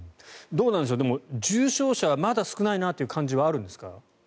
どうなんでしょうでも、重症者はまだ少ないという感じはあるんですか？